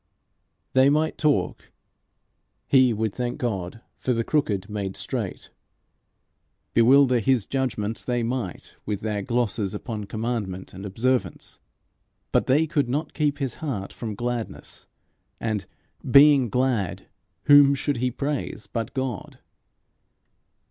They might talk; he would thank God for the crooked made straight. Bewilder his judgment they might with their glosses upon commandment and observance; but they could not keep his heart from gladness; and, being glad, whom should he praise but God?